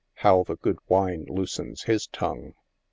how the good wine loosens his tongue